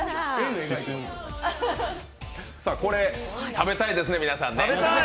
これ、食べたいですね、皆さん。